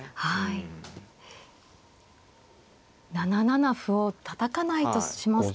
７七歩をたたかないとしますと。